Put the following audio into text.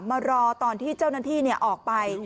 มารอตอนที่เจ้าหน้าที่ออกไป